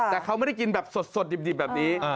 แต่เขาไม่ได้กินแบบสดดิบแบบนี้